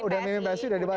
udah mimin psi udah dibalas